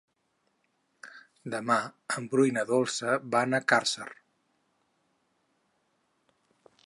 Demà en Bru i na Dolça van a Càrcer.